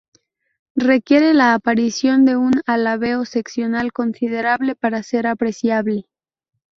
Requiere la aparición de un alabeo seccional considerable para ser apreciable.